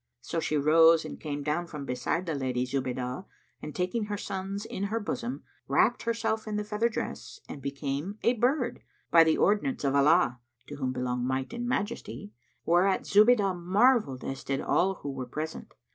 So she rose and came down from beside the Lady Zubaydah and taking her sons in her bosom, wrapped herself in the feather dress and became a bird, by the ordinance of Allah (to whom belong Might and Majesty!), whereat Zubaydah marvelled as did all who were present.